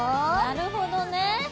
なるほどね。